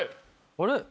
あれ？